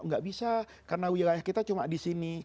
nggak bisa karena wilayah kita cuma disini